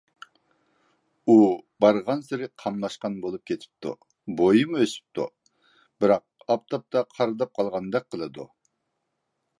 ئۇ بارغانسېرى قاملاشقان بولۇپ كېتىپتۇ، بويىمۇ ئۆسۈپتۇ، بىراق ئاپتاپتا قارىداپ قالغاندەك قىلىدۇ.